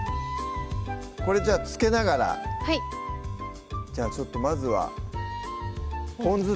これじゃあつけながらはいじゃあちょっとまずはぽん酢